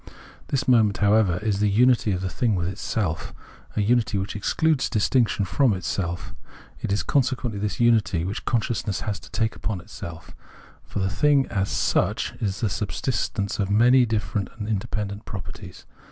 This moment, however, is the unity of the thing with itself, an unity which excludes distinction from itself. It is conse quently this unity which consciousness has to take upon itself ; for the thing as such is the subsistence of many different and independent properties.